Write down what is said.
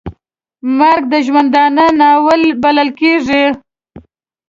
مرګ د ژوندانه ناوې بلل کېږي .